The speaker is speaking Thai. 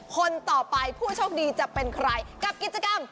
คนต่อไปผู้โชคดีจะเป็นใครกับกิจกรรม